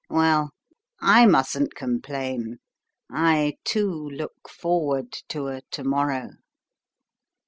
" Well, I mustn't complain. I, too, look forward to a to morrow.